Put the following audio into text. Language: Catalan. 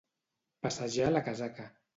Passejar la casaca.